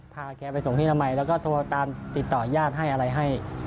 พาแกไปส่งที่นามัยแล้วก็โทรตามติดต่อญาติให้อะไรให้